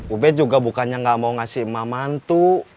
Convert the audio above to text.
ube juga bukannya gak mau ngasih emak mantu